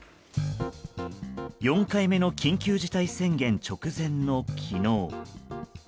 ４回目の緊急事態宣言直前の昨日。